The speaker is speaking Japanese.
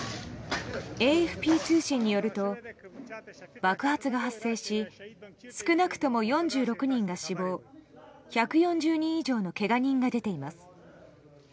ＡＦＰ通信によると爆発が発生し少なくとも４６人が死亡１４０人以上のけが人が出ています。